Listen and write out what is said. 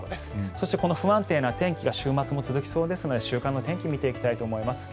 そしてこの不安定な天気が週末も続きそうですので週間の天気見ていきたいと思います。